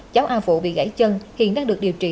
cháu a phụ bị gãy chân hiện đang được điều trị